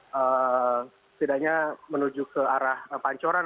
setidaknya menuju ke arah pancoran